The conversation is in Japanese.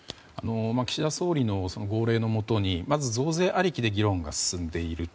岸田総理の号令の下にまず増税ありきで議論が進んでいると。